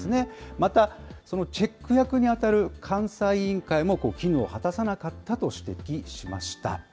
また、そのチェック役に当たる監査委員会も機能を果たさなかったと指摘しました。